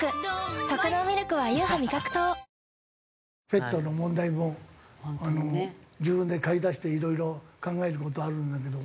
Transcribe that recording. ペットの問題も自分で飼いだしていろいろ考える事はあるんだけど。